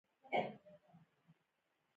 په دفترونو کې دې پښتو اسناد او لیکونه تېر شي.